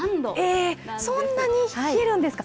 えっ、そんなに冷えるんですか。